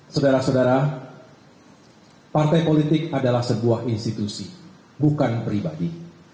saudara saudara partai politik adalah sebuah institusi bukan pribadi